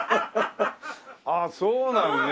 ああそうなのね。